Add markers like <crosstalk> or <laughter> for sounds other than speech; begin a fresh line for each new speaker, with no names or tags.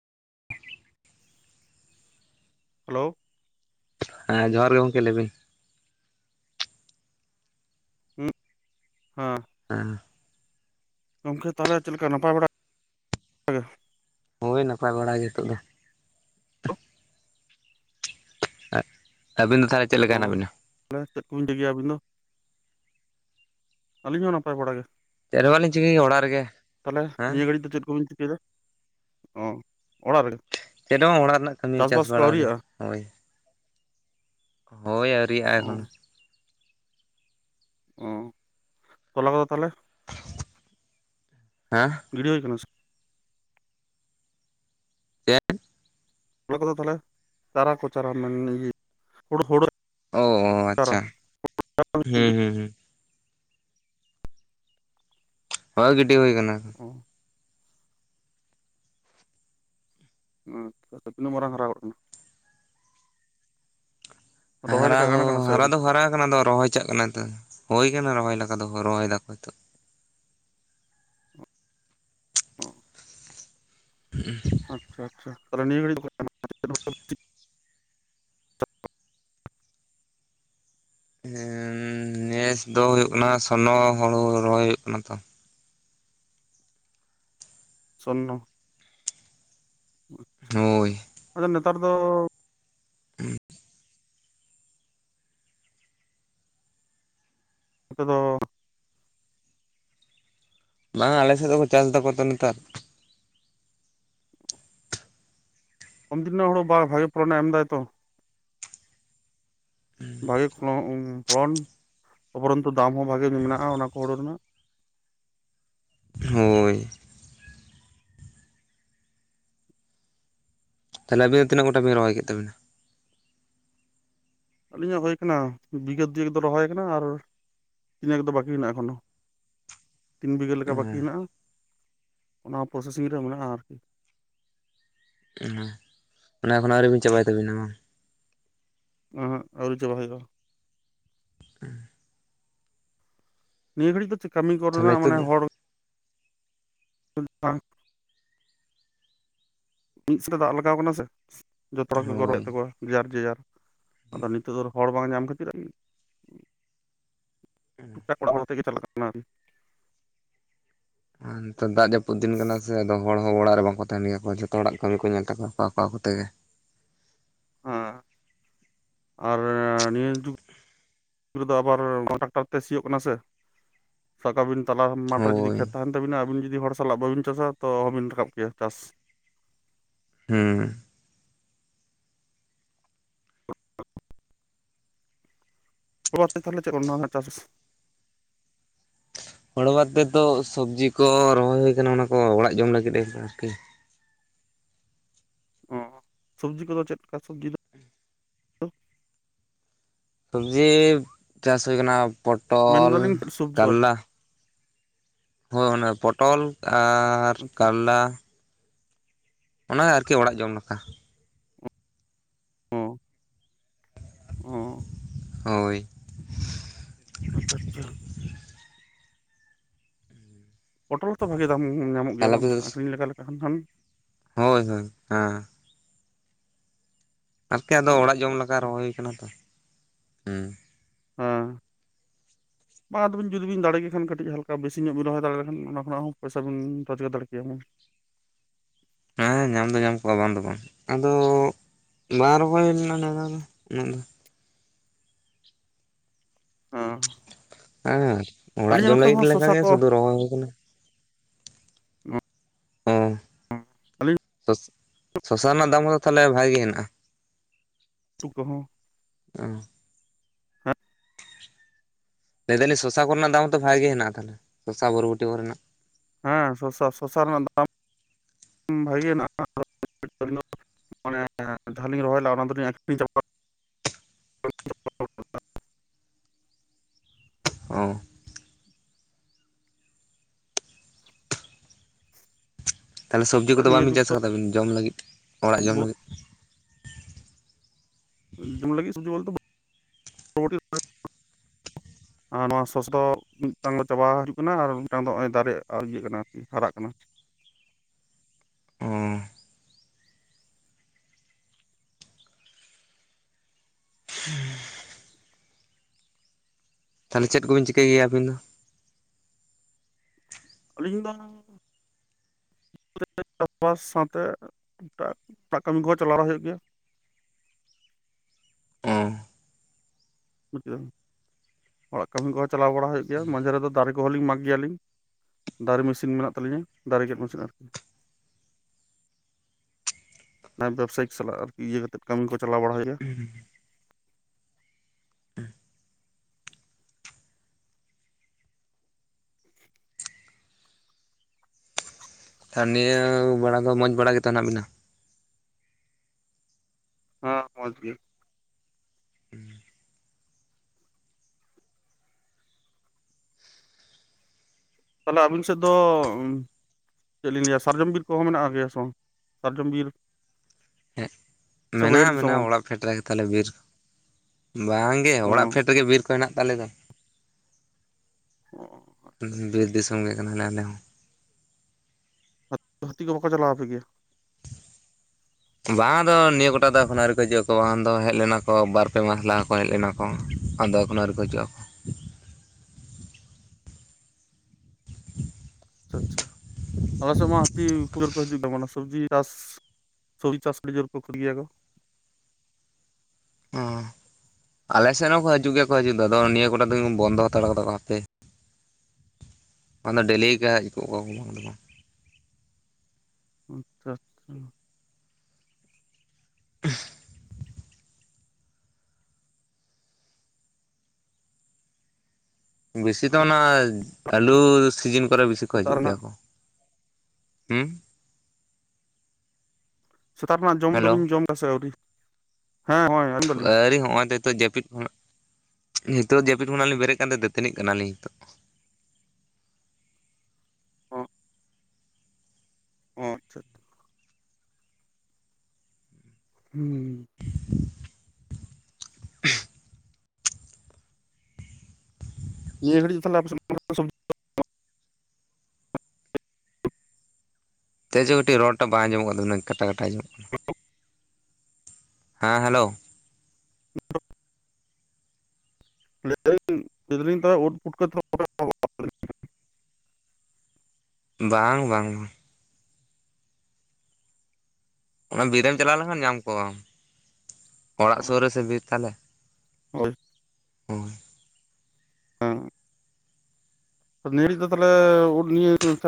Hello,
ᱦᱮᱸ ᱡᱚᱦᱟᱨ ᱜᱮ ᱜᱚᱢᱠᱮ ᱞᱟ ᱵᱤᱱ?
ᱩᱸᱜ -ᱦᱟᱸᱜ ᱾
ᱟᱸᱻ
ᱜᱚᱢᱠᱮ ᱛᱟᱞᱦᱮ ᱪᱮᱫ ᱞᱮᱠᱟ ᱱᱟᱯᱟᱭ ᱵᱟᱲᱟᱜ
ᱦᱳᱭ, ᱱᱟᱯᱟᱭ ᱵᱟᱲᱟ ᱱᱤᱛᱚᱜ ᱫᱚ᱾ ᱟᱼᱟᱵᱤᱱ ᱫᱚ ᱛᱟᱞᱦᱮ ᱪᱮᱫ ᱞᱮᱠᱟ ᱦᱮᱱᱟᱜ ᱵᱤᱱᱟ?
ᱛᱟᱦᱮ ᱪᱮᱜ ᱠᱚᱵᱮᱱ ᱪᱤᱠᱟᱹᱭᱟ ᱟᱵᱤᱱ ᱫᱚ ᱟᱹᱞᱤᱧ ᱦᱚᱸ ᱱᱟᱯᱟᱭ ᱵᱟᱲᱟ ᱜᱮ
ᱪᱮᱫ ᱦᱚᱸ ᱵᱟᱹᱞᱤᱧ ᱪᱤᱠᱟᱹᱭ ᱜᱮᱭᱟ ᱚᱲᱟᱜ ᱨᱮᱜᱮ
᱾ ᱛᱟᱞᱦᱮ
ᱦᱮᱸ
ᱱᱤᱭᱟᱹ ᱜᱷᱟᱹᱲᱤᱡ ᱫᱚ ᱪᱮᱫ ᱠᱚᱵᱤᱱ ᱪᱤᱠᱟᱹᱭ ᱫᱟ? ᱚᱸᱜ ᱚᱲᱟᱜ ᱨᱮᱜᱮ ᱾
ᱪᱮᱴ ᱦᱚᱸ ᱚᱲᱟᱜ ᱨᱮᱱᱟᱜ ᱠᱟᱹᱢᱤ ᱪᱟᱥ ᱵᱟᱲᱟ ᱜᱮ ᱦᱳᱜ-ᱚᱸᱭ ᱾ ᱦᱳᱭ, ᱟᱹᱣᱨᱤᱭᱟᱜᱼᱟ ᱮᱠᱷᱚᱱ
ᱚ
᱾
ᱚᱸ, ᱛᱚᱞᱟ ᱠᱚᱫᱚ ᱛᱟᱞᱦᱮ?
ᱴᱮᱝ- ᱜᱚᱡ ᱦᱟᱸ!
ᱜᱤᱰᱤ ᱦᱳᱭ ᱠᱟᱱᱟ ᱥᱮ?
ᱪᱮᱴ?
ᱦᱚᱲᱳ ᱠᱚᱫᱚ ᱛᱟᱞᱦᱮ ᱪᱟᱨᱟ ᱠᱚ ᱪᱟᱨᱟ ᱢᱮᱱ ᱤᱭᱮ, ᱦᱳᱲᱳ ᱦᱳᱲᱳ
ᱚ ᱟᱪ-ᱪᱷᱟ ᱦᱩᱸ ᱦᱩᱸ ᱦᱩᱸ᱾ ᱦᱳᱭ ᱜᱤᱰᱤ ᱦᱳᱭᱠᱟᱱᱟ ᱾
ᱦᱚᱸᱜ ᱾ ᱟᱸᱪᱦᱟ, ᱛᱤᱱᱟᱜ ᱢᱟᱨᱟᱝ ᱦᱟᱨᱟᱣ ᱜᱚᱫ ᱠᱟᱱᱟ? ᱨᱚᱦᱚᱭ
ᱦᱟᱨᱟ
ᱞᱮᱠᱟ
ᱦᱳ
ᱜᱟᱱ ᱠᱟᱱᱟ ᱥᱮ
ᱦᱟᱨᱟ
ᱟᱹᱣᱨᱤ?
ᱫᱚ ᱦᱟᱨᱟ ᱟᱠᱟᱱᱟ ᱟᱫᱚ ᱨᱚᱦᱚᱭ ᱪᱟᱜ ᱠᱟᱱᱟ᱾ ᱟᱷ, ᱦᱳᱭ ᱠᱟᱱᱟ ᱨᱚᱦᱚᱭ ᱞᱮᱠᱟ ᱫᱚ ᱨᱚᱦᱚᱭᱫᱟ ᱠᱚ ᱛᱷᱚ ᱾
ᱚᱦ ᱾
ᱷᱩᱦ ᱾
ᱟᱪ-ᱪᱷᱟ ᱟᱪ-ᱪᱷᱟ, ᱛᱟᱞᱦᱮ ᱱᱤᱭᱟᱹᱜᱷᱟᱹᱲᱤᱡ ᱪᱮᱜᱠᱟ ᱢᱮᱱᱟᱢᱟ?
ᱩᱸ-ᱩᱢᱸᱼᱼᱼᱱᱮᱥ ᱫᱚ ᱦᱳᱭᱳᱜ ᱠᱟᱱᱟ ᱥᱚᱨᱱᱚ ᱦᱳᱲᱳ ᱨᱚᱦᱚᱭ ᱦᱳᱭᱳᱜ ᱠᱟᱱᱟ ᱛᱚ᱾
ᱥᱚᱱᱱᱚ ᱾ ᱟᱪ-ᱪᱷᱟ -ᱟᱪᱷᱟ,
ᱦᱳᱭ
-ᱟᱪᱷᱟ, ᱟᱫᱚ ᱱᱮᱛᱟᱨ ᱫᱚᱻ
ᱷᱩᱸᱦ ᱾
ᱱᱤᱛᱚᱜ ᱫᱚ ᱴᱷᱚᱜ ᱾
ᱵᱟᱝ ᱟᱞᱮᱥᱮᱜ ᱫᱚᱠᱚ ᱪᱟᱥᱫᱟ ᱠᱚᱛᱚ ᱱᱮᱛᱟᱨ ᱾
ᱠᱚᱢᱫᱤᱱ ᱨᱮᱱᱟᱜ ᱦᱳᱲᱳ ᱵᱟᱦ ᱵᱷᱟᱜᱮᱹ ᱯᱚᱞᱚᱱᱮ ᱮᱢ ᱮᱫᱟᱭ ᱛᱚ ᱾ ᱵᱷᱟᱜᱮᱹ ᱯᱷᱞᱚ-ᱯᱷᱚᱞᱚᱱ ᱩᱯᱚᱨᱚᱱᱛᱚ ᱫᱟᱢ ᱦᱚᱸ ᱵᱷᱟᱜᱮᱹ ᱢᱮᱱᱟᱜᱼᱟ ᱚᱱᱟᱠᱚ ᱦᱳᱲᱳ ᱨᱮᱱᱟᱜ ᱾
ᱦᱳᱭ ᱾ ᱛᱟᱞᱦᱮ ᱟᱵᱮᱱ ᱛᱤᱱᱟᱹᱜ ᱜᱚᱴᱟ ᱵᱮᱱ ᱨᱚᱦᱚᱭ ᱠᱮᱫ ᱛᱟᱵᱮᱱᱟ?
ᱟᱹᱞᱤᱧᱟᱜ ᱦᱳᱭ ᱠᱟᱱᱟ ᱵᱤᱜᱷᱟᱹ ᱫᱩᱭᱮᱠ ᱫᱚ ᱨᱚᱦᱚᱭ ᱠᱟᱱᱟ ᱟᱨ ᱛᱤ-ᱱᱮᱩ ᱫᱚ ᱵᱟᱹᱠᱤ ᱦᱮᱱᱟᱜ ᱟ ᱮᱠᱷᱚᱱᱳ ᱾ ᱛᱤᱱ ᱵᱤᱜᱷᱟᱹ ᱞᱮᱠᱟ ᱵᱟᱹᱠᱤ ᱦᱮᱱᱟᱜᱼᱟ ᱚᱱᱟ ᱦᱚ ᱯᱨᱚᱥᱮᱹᱥᱤᱝ ᱨᱮ ᱢᱮᱱᱟᱜᱼᱟ ᱾
ᱚᱱᱚ ᱮᱠᱷᱚᱱᱚ ᱟᱹᱣᱨᱤᱵᱤᱱ ᱪᱟᱵᱟᱭ ᱛᱟᱵᱤᱱᱟ ᱢᱟ
ᱮᱸᱦᱮᱸᱜ, ᱟᱹᱣᱨᱤ ᱪᱟᱵᱟ ᱦᱳᱭᱳᱜᱼᱟ ᱾
ᱯᱤ-ᱮᱸᱷᱮᱸᱦ ᱾
ᱱᱤᱭᱟᱹ ᱜᱷᱟᱹᱲᱤᱡ ᱫᱚ ᱪᱮᱜ ᱠᱟᱹᱢᱤ ᱜᱟᱲᱚ
ᱛᱟᱦᱚᱞᱮ
ᱨᱮᱱᱟᱜ
ᱱᱤᱛᱚᱜ
ᱢᱟᱱᱮ
ᱫᱚ
ᱦᱚᱲ ᱾ ᱯᱦᱩᱞᱷ ᱥᱟᱝ ᱾ ᱢᱤᱫ ᱥᱮᱛᱮ ᱫᱟᱜ ᱞᱟᱜᱟᱣ ᱠᱟᱱᱟ ᱥᱮ ᱡᱚᱛᱚ ᱦᱚᱲ ᱜᱮᱠᱚ
ᱦᱳᱭ
ᱨᱚᱦᱚᱮᱫ ᱛᱟᱠᱚᱣᱟ ᱡᱮᱹᱡᱟᱨ ᱡᱮᱹᱡᱟᱨ ᱟᱫᱚ ᱱᱤᱛᱚᱜ ᱫᱚ ᱦᱚᱲ ᱵᱟᱝ ᱧᱟᱢ ᱠᱷᱟᱹᱛᱤᱨ ᱟᱨᱠᱤ ᱴᱩᱠ-ᱴᱟᱠ ᱚᱲᱟᱜ ᱦᱚᱲ ᱛᱮᱜᱮ ᱪᱟᱞᱟᱜ ᱠᱟᱱᱟ ᱠᱟᱢᱤ ᱾
ᱟᱨ ᱱᱮᱛᱟᱨ ᱫᱟᱜ ᱡᱟᱯᱩᱫ ᱫᱤᱱ ᱠᱟᱱᱟ ᱥᱮ ᱟᱫᱚ ᱦᱚᱲ ᱦᱚᱸ ᱚᱲᱟᱜ ᱨᱮ ᱵᱟᱝᱠᱚ ᱛᱟᱦᱮᱱ ᱜᱮᱭᱟᱠᱚ, ᱡᱚᱛᱚ ᱦᱚᱲᱟᱜ ᱠᱟᱹᱢᱤ ᱠᱚ ᱧᱮᱞ ᱛᱟᱠᱚᱣᱟ ᱟᱠᱟ ᱟᱠᱚ ᱛᱮᱜᱮ᱾
ᱦᱮᱸ
<unintelligible>
ᱟᱨ ᱱᱤᱭᱟᱹ ᱡᱩᱜ <unintelligible> ᱜ ᱨᱮᱫᱚ ᱟᱵᱟᱨ ᱱᱚᱣᱟ ᱴᱨᱟᱠᱴᱟᱨ ᱛᱮ ᱥᱤᱭᱳᱜ ᱠᱟᱱᱟ ᱥᱮ᱾ ᱥᱟᱠᱟᱵᱤᱱ ᱛᱟᱞᱟ ᱢᱟᱴᱷ ᱨᱮ ᱡᱩᱫᱤ
ᱦᱳᱭ
ᱠᱷᱮᱛ ᱛᱟᱦᱮᱱ ᱛᱟᱹᱵᱤᱱᱟ, ᱟᱵᱤᱱ ᱡᱩᱫᱤ ᱦᱚᱲ ᱥᱟᱞᱟᱜ ᱵᱟᱹᱵᱤᱱ ᱪᱟᱥᱟ, ᱛᱚ ᱨᱟᱠᱟᱵ ᱠᱮᱭᱟ ᱪᱟᱥ᱾
ᱦᱩᱸ᱾
<inaudible> <inaudible> ᱛᱟᱦᱮ ᱪᱮᱫ ᱪᱟᱥᱟᱥ
ᱦᱚᱲ ᱵᱟᱫ ᱛᱮᱛᱚ ᱥᱚᱵᱽᱡᱤ ᱠᱚ ᱨᱚᱦᱚᱭ ᱦᱩᱭᱩ ᱟᱠᱟᱱᱟ, ᱚᱱᱟ ᱠᱚ ᱚᱲᱟᱜ ᱡᱚᱢ ᱞᱟᱹᱜᱤᱫ ᱮ ᱟᱨᱠᱤ,
ᱚ ᱥᱚᱵᱽᱡᱤ ᱠᱚᱫᱚ ᱪᱮᱫᱠᱟ ᱥᱚᱵᱽᱡᱤ ᱫᱚ?
ᱥᱚᱵᱡᱤ ᱪᱟᱥ ᱦᱳᱭ ᱟᱠᱟᱱᱟ ᱯᱚᱴᱚᱞ,
ᱢᱮᱱᱫᱟᱞᱤᱧ ᱥᱚᱵᱽᱡᱤ ᱟᱨᱠᱤ
ᱠᱟᱨᱞᱟ, ᱦᱳᱭ ᱚᱱᱟ ᱯᱚᱴᱚᱞ ᱟᱨ
ᱟᱪᱪᱷᱟ ᱟᱪᱪᱷᱟ
ᱠᱟᱨᱞᱟ᱾ ᱚᱱᱟ ᱟᱨᱠᱤ ᱚᱲᱟᱜ ᱡᱚᱢ ᱞᱮᱠᱟ᱾
ᱚᱻ
ᱦᱳᱭ,
ᱟᱪᱪᱷᱟ, ᱯᱚᱴᱚᱞ ᱦᱚᱛᱚ ᱵᱷᱟᱜᱮ ᱫᱟᱢ ᱧᱟᱢᱚᱜ ᱜᱮᱭᱟ
ᱠᱟᱞᱞᱟ
ᱵᱟᱝ,
ᱯᱮ
ᱟᱹᱠᱷᱨᱤᱧ ᱞᱮᱠᱟ ᱞᱮᱠᱟ ᱠᱷᱟᱱ ᱠᱷᱟᱱ᱾
ᱦᱳᱭ ᱦᱳᱭ, ᱦᱮᱸ, ᱟᱨᱠᱤ ᱟᱫ ᱚᱲᱟᱜ
ᱟᱪᱪᱷᱟ
ᱡᱚᱢ ᱞᱮᱠᱟ
ᱟᱪᱪᱷᱟ
ᱨᱚᱦᱚᱭ ᱦᱩᱭ ᱠᱟᱱᱟ ᱛᱚ, ᱦᱩᱸ <unintelligible>
ᱦᱮᱸ ᱵᱟᱝ ᱟᱫᱚᱵᱤᱱ ᱡᱩᱫᱤ ᱵᱤᱱ ᱫᱟᱲᱮ ᱠᱮ ᱠᱷᱟᱱ, ᱠᱟᱹᱴᱤᱡ ᱦᱟᱞᱠᱟ ᱵᱮᱥᱤ ᱧᱚᱜ ᱵᱤᱱ ᱨᱚᱦᱚᱭ ᱫᱟᱲᱮᱭᱟᱜ ᱠᱷᱟᱱ, ᱚᱱᱟ ᱠᱷᱱᱟᱜ ᱦᱚᱸ ᱯᱚᱭᱥᱟ ᱵᱤᱱ ᱨᱳᱡᱽᱜᱟᱨ ᱫᱟᱲᱮ ᱠᱮᱭᱟ ᱦᱩ
ᱦᱮᱸ ᱧᱟᱢ ᱫᱚ ᱧᱟᱢ ᱠᱚᱜᱼᱟ, ᱵᱟᱝ ᱫᱚ ᱵᱟᱝ, ᱟᱫᱚ ᱵᱟ ᱨᱚᱦᱚᱭ ᱦᱩᱭ ᱞᱮᱱᱟ ᱱᱮᱥ ᱫᱚ ᱟᱫ, ᱩᱱᱟᱹ ᱫᱚ᱾
ᱦᱩᱸ,
ᱦᱮᱸ, ᱚᱲᱟᱜ ᱡᱚᱢ ᱞᱟᱹᱜᱤᱫ ᱞᱮᱠᱟ
ᱥᱚᱥᱟ
ᱜᱮ
ᱠᱚ
ᱥᱩᱫᱷᱩ ᱨᱚᱦᱚᱭ ᱦᱩᱭ ᱟᱠᱟᱱᱟ᱾ ᱦᱮᱸ᱾
<unintelligible>
ᱥᱚᱥᱟ ᱨᱮᱱᱟᱜ ᱫᱟᱢ ᱠᱚᱫ ᱛᱟᱦᱞᱮ ᱵᱷᱟᱜᱤ ᱜᱮ ᱦᱮᱱᱟᱜᱼᱟ᱾
<unintelligible>
ᱮᱻ
ᱦᱮᱸ
ᱞᱟᱹᱭᱮᱫᱟᱞᱧ ᱥᱚᱥᱟ ᱠᱚᱨᱮᱱᱟᱜ ᱫᱟᱢ ᱦᱛᱚ ᱵᱷᱟᱜᱮ ᱜᱮ ᱦᱮᱱᱟᱜᱼᱟ ᱛᱟᱦᱚᱞᱮ, ᱥᱚᱥᱟ ᱵᱚᱨᱵᱚᱴᱤ ᱠᱚᱨᱮᱱᱟᱜ?
ᱦᱮᱸ, ᱥᱚᱥᱟ ᱥᱚᱥᱟ ᱨᱮᱱᱟᱜ ᱫᱟᱢ ᱵᱷᱟᱜᱮ ᱦᱮᱱᱟᱜ ᱟᱹᱞᱤ <inaudible> ᱢᱟᱱᱮ ᱡᱟᱦᱟᱸᱞᱤᱧ ᱨᱚᱦᱚᱭ ᱚᱱᱟ ᱫᱚᱞᱤᱧ ᱟᱹᱠᱷᱨᱤᱧ ᱪᱟᱵᱟ
ᱚᱻ ᱛᱟᱦᱚᱞᱮ ᱥᱚᱵᱽᱡᱤ ᱠᱚᱫᱚ
ᱱᱤᱭᱟᱹ
ᱵᱟᱵᱤᱱ
ᱡᱩᱜᱽ
ᱪᱟᱥ
ᱫᱚ
ᱟᱠᱟᱫᱟᱵᱤᱱ, ᱡᱚᱢ ᱞᱟᱹᱜᱤᱫ ᱚᱲᱟᱜ ᱡᱚᱢ
ᱵᱚᱦᱩᱛ
ᱞᱟᱹᱜᱤᱫ᱾
ᱡᱚᱢ ᱞᱟᱹᱜᱤᱫ ᱥᱚᱵᱡᱤ ᱵᱚᱞᱚ <inaudible> ᱛᱮ
<unintelligible>
ᱟᱨ ᱱᱚᱣᱟ ᱥᱚᱥ ᱫᱚ ᱢᱤᱫᱴᱟᱝ ᱫᱚ ᱪᱟᱵᱟ ᱦᱩᱜ ᱠᱟᱱᱟ, ᱟᱨ ᱢᱤᱫᱴᱟᱝ ᱫᱚ ᱱᱚᱜᱚᱭ ᱫᱟᱨᱮ ᱤᱭᱤᱭᱟᱹ ᱠᱟᱱᱟ ᱟᱨᱠᱤ ᱦᱟᱨᱟᱜ ᱠᱟᱱᱟ
ᱚᱻ <unintelligible> ᱛᱟᱦᱚᱞᱮ ᱪᱮᱫᱵᱤᱱ ᱪᱤᱠᱟᱹᱭ ᱜᱮᱭᱟ ᱟᱹᱵᱤᱱ ᱫᱚ?
ᱟᱹᱞᱤᱧ ᱫᱚ ᱥᱟᱣᱛᱮ ᱮᱴᱟᱜ ᱠᱟᱹᱢᱤ ᱠᱚᱦ ᱪᱟᱞᱟᱣ ᱵᱟᱲᱟ ᱦᱩᱭᱩᱜ ᱜᱮᱭᱟ᱾
ᱚ
<unintelligible> ᱚᱲᱟᱜ ᱠᱟᱹᱢᱤ ᱠᱚᱦᱚᱸ ᱪᱟᱞᱟᱣ ᱵᱟᱲᱟ ᱦᱩᱭᱩᱜ ᱜᱮᱭᱟ, ᱢᱟᱡᱷᱮ ᱨᱮᱫᱚ ᱫᱟᱨᱮ ᱠᱚᱦᱚᱸ ᱞᱤᱧ ᱢᱟᱜᱽ ᱜᱮᱭᱟᱞᱤᱧ᱾ ᱫᱟᱨᱮ ᱢᱮᱹᱥᱤᱱ ᱢᱮᱱᱟᱜ ᱛᱟᱞᱤᱧᱟ, ᱫᱟᱨᱮ ᱜᱮᱫ ᱢᱮᱥᱤᱱ ᱟᱨᱠᱤ᱾ ᱵᱟᱝ ᱫᱚ ᱥᱮᱠᱥ ᱥᱟᱞᱟᱜ ᱟᱨᱠᱤ ᱤᱭᱟᱹ ᱠᱟᱛᱮ ᱠᱟᱹᱢᱤ ᱠᱚ ᱪᱟᱞᱟᱣ ᱵᱟᱲᱟ ᱦᱩᱭ ᱱᱟ
ᱟᱨ ᱱᱤᱭᱟᱹ ᱵᱮᱲᱟ ᱫᱚ ᱢᱚᱡᱽ ᱵᱟᱲᱟ ᱜᱮᱛᱚ ᱢᱮᱱᱟᱜ ᱵᱤᱱᱟ?
ᱦᱮᱸ ᱢᱚᱡᱽ ᱜᱮ ᱛᱟᱦᱞᱮ ᱟᱹᱵᱤᱱ ᱥᱮᱫ ᱫᱚ ᱪᱮᱫ ᱞᱤᱧ ᱞᱟᱹᱭᱟ ᱥᱟᱨᱡᱚᱢ ᱵᱤᱨ ᱠᱚᱦᱚᱸ ᱢᱮᱱᱟᱜ ᱜᱮᱭᱟ ᱥᱮᱚᱝ ᱥᱟᱨᱡᱚᱢ ᱵᱤᱨ? ᱥᱮ ᱵᱟᱹᱭᱦᱟᱹᱲ
ᱢᱮᱱᱟᱜ-ᱟ
ᱫᱤᱥᱚᱢ ᱚ
ᱢᱮᱱᱟᱜ-ᱟ ᱚᱲᱟᱜ ᱯᱷᱮᱰ ᱨᱮᱜᱮ ᱛᱟᱦᱚᱞᱮ ᱵᱤᱨ ᱵᱟᱝᱜᱮ
ᱚ
ᱚᱲᱟᱜ ᱯᱷᱮᱰ ᱨᱮᱜᱮ ᱵᱤᱨ ᱠᱚ ᱦᱮᱱᱟᱜ ᱛᱟᱞᱮ ᱫᱚ
ᱟᱪᱪᱷᱟ ᱟᱪᱪᱷᱟ
ᱵᱤᱨᱮᱥ ᱫᱤᱥᱚᱢ ᱜᱮ ᱠᱟᱱᱟᱞᱮ ᱟᱞᱮ ᱦᱚᱸ
ᱦᱟᱹᱛ ᱦᱟᱹᱛᱤ ᱠᱚ ᱵᱟᱠᱚ ᱪᱟᱞᱟᱣ ᱟᱯᱮ ᱜᱮᱭᱟ
ᱵᱟᱝ ᱟᱫᱚ ᱱᱤᱭᱟᱹ ᱠᱚᱴᱟ ᱫᱚ ᱮᱠᱷᱚᱱ ᱟᱹᱣᱨᱤ ᱠᱚ ᱦᱤᱡᱩᱜ ᱟᱠᱚ ᱵᱟᱝ ᱫᱚ ᱦᱮᱡ ᱞᱮᱱᱟ ᱠᱚ ᱵᱟᱨ ᱯᱮ ᱢᱟᱥ ᱞᱟᱦᱟ ᱠᱚ ᱦᱮᱡ ᱞᱮᱱᱟ ᱠᱚ ᱟᱫᱚ ᱮᱠᱷᱚᱱ ᱟᱹᱣᱨᱤ ᱠᱚ ᱦᱤᱡᱩᱜ ᱟ
ᱟᱪᱪᱷᱟ ᱟᱞᱮ ᱥᱮᱫ ᱢᱟ ᱦᱟᱹᱛᱤ ᱯᱩᱨᱟᱹ ᱠᱚ ᱦᱤᱡᱩᱜ ᱛᱟᱵᱚᱱᱟ ᱥᱚᱵᱡᱤ ᱪᱟᱥ ᱥᱚᱵᱡᱤ ᱪᱟᱥ <unintelligible>
ᱦᱮᱸ ᱟᱞᱮ ᱥᱮᱱ ᱦᱚᱸᱠᱚ ᱦᱤᱡᱩᱜ ᱜᱮᱭᱟ ᱠᱚ ᱦᱤᱡᱩᱜ ᱫᱚ ᱟᱫᱚ ᱱᱤᱭᱟᱹ ᱠᱚᱴᱟ ᱫᱤᱱ ᱵᱚᱱᱫᱚ ᱦᱟᱛᱟᱲ ᱠᱟᱫᱟ ᱠᱚ ᱦᱟᱯᱮ ᱰᱮᱞᱤ ᱜᱮ <unintelligible>
<unintelligible>
<inaudible> ᱵᱮᱥᱤ ᱫᱚ ᱚᱱᱟ ᱟᱞᱩ ᱥᱤᱡᱤᱱ ᱠᱚᱨᱮ ᱵᱮᱥᱤ ᱠᱚ
ᱥᱮᱛᱟᱜ
ᱦᱤᱡᱩᱜ ᱜᱮᱭᱟ
ᱨᱮᱱᱟᱜ
ᱠᱚ ᱦᱩᱸ
ᱥᱮᱛᱟᱜ ᱨᱮᱱᱟᱜ ᱡᱚᱢ
ᱦᱮᱞᱳ
ᱫᱚᱵᱤᱱ ᱡᱚᱢ ᱫᱟᱥᱮ ᱟᱹᱣᱨᱤ ᱦᱮᱸ ᱦᱚᱸᱭᱚᱭ
ᱟᱹᱣᱨᱤ ᱦᱚᱸᱜ-ᱚᱭ ᱛᱚ ᱱᱤᱛᱚᱜ ᱡᱟᱹᱯᱤᱫ ᱠᱷᱚᱱᱟᱜ ᱱᱤᱛᱚᱜ ᱡᱟᱹᱯᱤᱫ ᱠᱷᱚᱱᱟᱜ ᱞᱤᱧ ᱵᱮᱨᱮᱫ ᱠᱟᱱ ᱛᱮ ᱫᱟᱹᱛᱟᱹᱱᱤᱜ ᱠᱟᱱᱟᱞᱤᱧ ᱱᱤᱛᱚᱜ
ᱚ ᱚ ᱟᱪᱷᱟ ᱦᱩᱸ ᱱᱤᱭᱟᱹ ᱜᱟᱰᱤ <inaudible>
ᱛᱮ ᱦᱚ ᱠᱟᱹᱴᱤᱡ ᱨᱚᱲ ᱴᱟᱜ ᱵᱟᱝ ᱟᱡᱚᱢᱚᱜ ᱠᱟᱱ ᱛᱟᱵᱤᱱᱟ ᱠᱟᱴᱟ ᱠᱟᱴᱟ ᱟᱡᱚᱢᱚᱜ ᱠᱟ
<inaudible>
ᱦᱮᱸ ᱦᱮᱞᱳ
<inaudible> ᱞᱟᱹᱭ ᱫᱟᱞᱤᱧ ᱳᱫ ᱯᱩᱴᱠᱟᱹ <inaudible>
ᱵᱟᱝ ᱵᱟᱝ ᱚᱱᱟ ᱵᱤᱨ ᱨᱮᱢ ᱪᱟᱞᱟᱣ ᱞᱮᱱᱠᱷᱟᱱ ᱧᱟᱢ ᱠᱚᱣᱟᱢ ᱚᱲᱟᱜ ᱥᱩᱨ ᱨᱮᱥᱮ ᱵᱤᱨ ᱛᱟᱞᱮ
ᱦᱳᱭ
ᱦᱩᱸ
ᱛᱚ ᱵᱟᱹᱭ ᱫᱚ ᱛᱟᱦᱞᱮ ᱳᱫ ᱱᱤᱭᱟᱹ ᱪᱚᱨᱪᱟ